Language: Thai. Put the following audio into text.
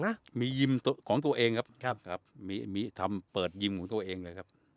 นะมียิมของตัวเองครับครับมีมีทำเปิดยิมของตัวเองเลยครับ